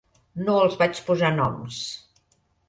No els vaig posar noms.